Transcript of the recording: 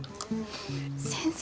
先生